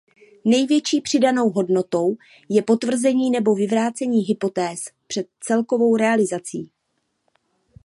Největší přidanou hodnotou je potvrzení nebo vyvrácení hypotéz před celkovou realizací.